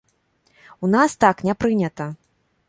У нас так не прынята.